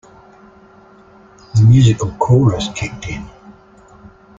The musical chorus kicked in.